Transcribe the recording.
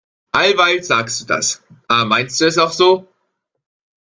Alleweil sagst du das. Aber meinst du es auch so?